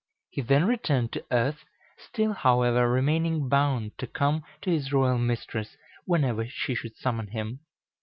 He then returned to earth, still, however, remaining bound to come to his royal mistress whenever she should summon him.